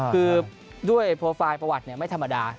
คือด้วยโปรไฟล์ประวัติไม่ธรรมดา